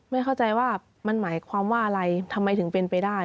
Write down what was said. เข้าใจว่ามันหมายความว่าอะไรทำไมถึงเป็นไปได้